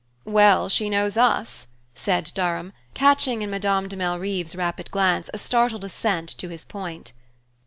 "Well, she knows us," said Durham, catching in Madame de Malrive's rapid glance, a startled assent to his point.